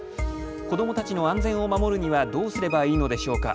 子どもたちの安全を守るにはどうすればいいのでしょうか。